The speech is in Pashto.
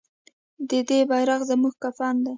د دې بیرغ زموږ کفن دی؟